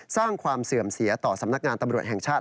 สร้างความเสื่อมเสียต่อสำนักงานตำรวจแห่งชาติ